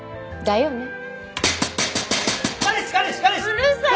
うるさい！